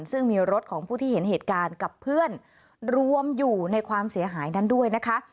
ซึ่งมีรถของผู้ที่เห็นเหตุการณ์กับเพื่อนรวมอยู่ในความเสียหายนั้นด้วยนะคะ